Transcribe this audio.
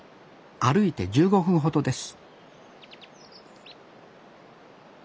歩いて１５分ほどです